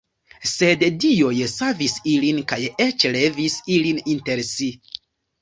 Sed dioj savis ilin kaj eĉ levis ilin inter si.